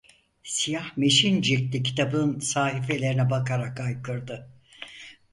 Siyah meşin ciltli kitabın sahifelerine bakarak haykırdı: